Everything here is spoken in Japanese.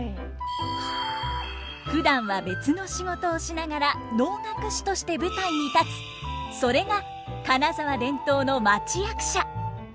ふだんは別の仕事をしながら能楽師として舞台に立つそれが金沢伝統の町役者。